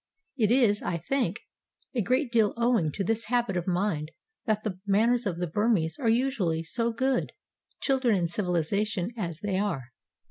It is, I think, a great deal owing to this habit of mind that the manners of the Burmese are usually so good, children in civilization as they are.